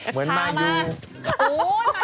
เหมือนมายุ